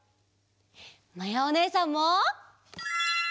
まやおねえさんも！